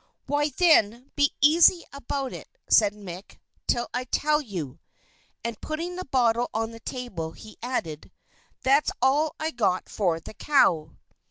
"Why, then, be easy about it," said Mick, "till I tell it you." And putting the bottle on the table, he added, "That's all I got for the cow."